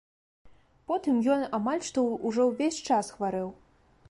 Потым ён амаль што ўжо ўвесь час хварэў.